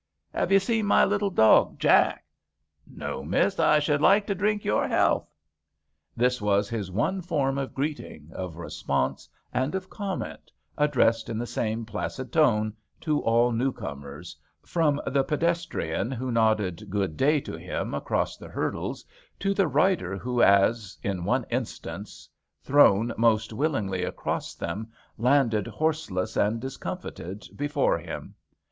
Have you seen my little dog, Jack ?"" No, Miss ; I should like to drink your health." This was his one form of greeting, of response, and of comment, addressed in the same placid tone to all new comers, from 39 HAMPSHIRE VIGNETTES the pedestrian who nodded good day to him across the hurdles to the rider who, as, in one instance, thrown most unwillingly across them, landed horseless and discomfited before him.